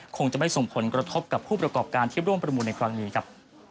คงจะไม่ส่งผลกระทบกับผู้ประกอบการที่ร่วมประมูลในครั้งนี้ครับ